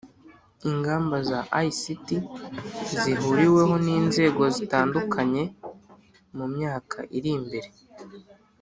ingamba za ict zihuriweho n'inzego zitandukanye mu myaka iri mbere